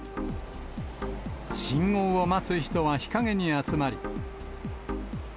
信号を待つ人は日陰に集まり。